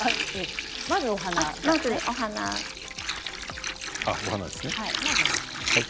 まずは、お花ですね。